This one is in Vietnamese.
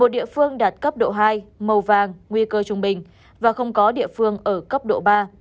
một địa phương đạt cấp độ hai màu vàng nguy cơ trung bình và không có địa phương ở cấp độ ba